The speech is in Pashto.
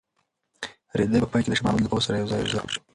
رېدی په پای کې د شاه محمود له پوځ سره یوځای شو.